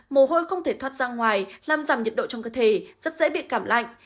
mồ hôi không thể thoát ra ngoài làm giảm nhiệt độ trong cơ thể rất dễ bị cảm lạnh